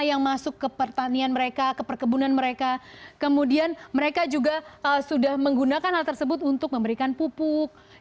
yang masuk ke pertanian mereka ke perkebunan mereka kemudian mereka juga sudah menggunakan hal tersebut untuk memberikan pupuk